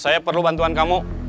saya perlu bantuan kamu